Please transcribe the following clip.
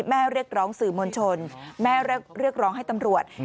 เรียกร้องสื่อมวลชนแม่เรียกร้องให้ตำรวจ